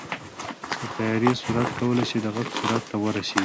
د طیارې سرعت کولی شي د غږ سرعت ته ورسېږي.